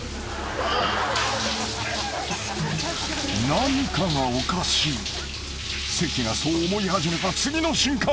［何かがおかしい関がそう思い始めた次の瞬間］